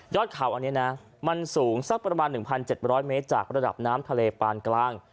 เขาอันนี้นะมันสูงสักประมาณ๑๗๐๐เมตรจากระดับน้ำทะเลปานกลาง